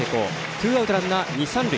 ツーアウト、ランナー、二、三塁。